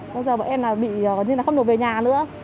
bây giờ bọn em là không được về nhà nữa